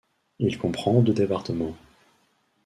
Il comprend deux départements.